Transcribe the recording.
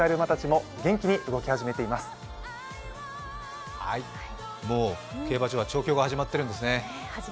もう競馬場は調教が始まっているんですね。